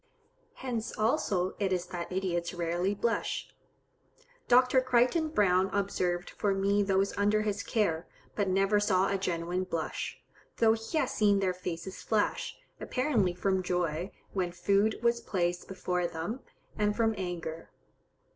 Hence, also, it is that idiots rarely blush. Dr. Crichton Browne observed for me those under his care, but never saw a genuine blush, though he has seen their faces flush, apparently from joy, when food was placed before them, and from anger.